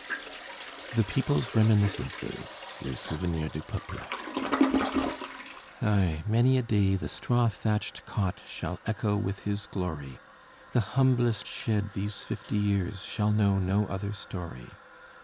THE PEOPLE'S REMINISCENCES (LES SOUVENIRS DU PEUPLE) Ay, many a day the straw thatched cot Shall echo with his glory! The humblest shed, these fifty years, Shall know no other story.